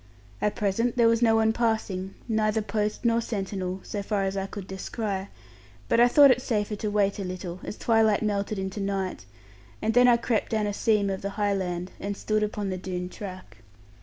At present, there was no one passing, neither post nor sentinel, so far as I could descry; but I thought it safer to wait a little, as twilight melted into night; and then I crept down a seam of the highland, and stood upon the Doone track.